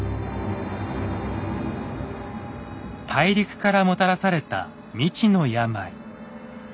大陸からもたらされた未知の病。